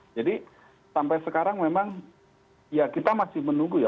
jadi sampai sekarang memang ya kita masih menunggu ya